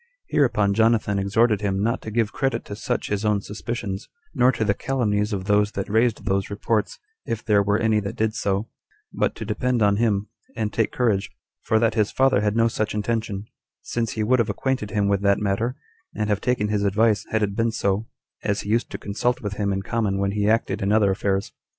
Hereupon Jonathan exhorted him not to give credit to such his own suspicions, nor to the calumnies of those that raised those reports, if there were any that did so, but to depend on him, and take courage; for that his father had no such intention, since he would have acquainted him with that matter, and have taken his advice, had it been so, as he used to consult with him in common when he acted in other affairs.